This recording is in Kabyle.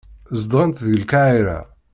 Zedɣent deg Lqahira.